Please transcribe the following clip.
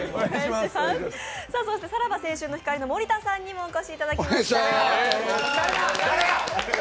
そしてさらば青春の光の森田さんにもお越しいただきました。